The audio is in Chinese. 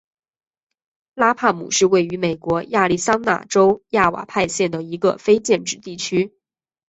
拉帕姆是位于美国亚利桑那州亚瓦派县的一个非建制地区。